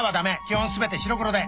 基本全て白黒で」